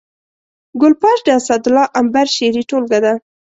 ګل پاش د اسدالله امبر شعري ټولګه ده